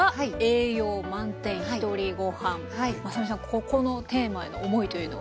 ここのテーマへの思いというのは？